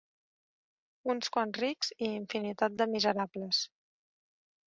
Uns quants rics i infinitat de miserables.